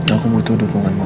aku butuh dukungan mama